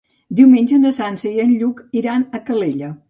Diumenge na Sança i en Lluc iran a Calella.